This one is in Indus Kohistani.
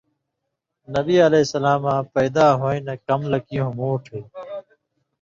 نبی علیہ سلاماں پیدا ہویں نہ کم لک یُوۡن٘ہہۡ موٹھیُوں،